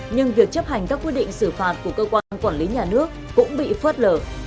nhưng việc chấp hành các quy định xử phạt của cơ quan quản lý nhà nước cũng bị phớt lờ